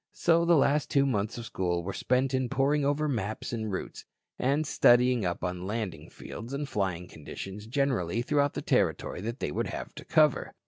So the last two months of school were spent in poring over maps and routes, and in studying up on landing fields and flying conditions generally throughout the territory they would have to cover.